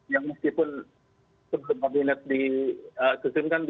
yang meskipun sebetulnya diusungkan